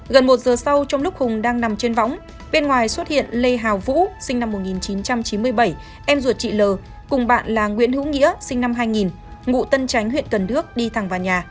gần một giờ sau trong lúc hùng đang nằm trên võng bên ngoài xuất hiện lê hào vũ sinh năm một nghìn chín trăm chín mươi bảy em ruột chị l cùng bạn là nguyễn hữu nghĩa sinh năm hai nghìn ngụ tân tránh huyện cần đước đi thẳng vào nhà